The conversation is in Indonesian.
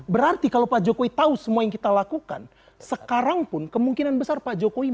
berarti kalau pak joko ibu tahu semua yang kita lakukan sekarang pun kemungkinan besar pak joko ibu